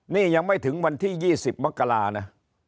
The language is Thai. นี่ยังไม่ถึงวันที่๒๐มกรานะ